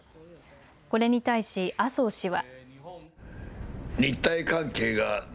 これに対し麻生氏は。